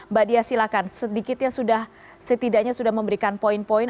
mbak dias silakan setidaknya sudah memberikan poin poin